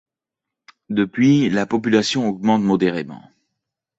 Depuis la population augmente modérément.